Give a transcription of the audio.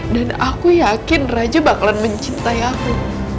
aku yakin raja bakalan mencintai aku